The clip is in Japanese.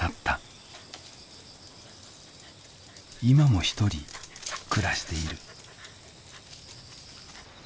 今もひとり暮らしている。